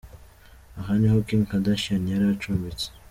Aha niho Kim Kardashian yari acumbitse.